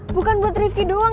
bukan buat rifki doang